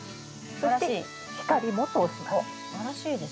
そして光も通します。